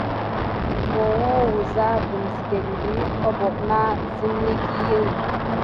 Mohoh wuziya kum sikete pirti abok nʼa zébem sigà.